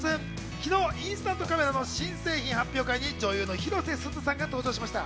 昨日、インスタントカメラの新製品発表会に女優の広瀬すずさんが登場しました。